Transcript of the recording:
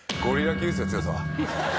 強さは。